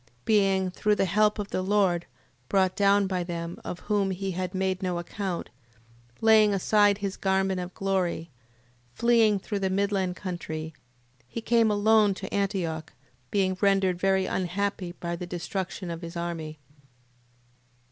Being, through the help of the Lord, brought down by them, of whom he had made no account, laying aside his garment of glory, fleeing through the midland country, he came alone to Antioch, being rendered very unhappy by the destruction of his army.